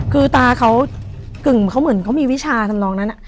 คือตาเขากึ่งเขาเหมือนเขามีวิชาทำนองนั้น